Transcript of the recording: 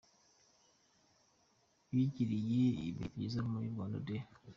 Bagiriye ibihe byiza muri Rwanda Day.